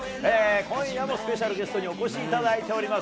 今夜もスペシャルゲストにお越しいただいております。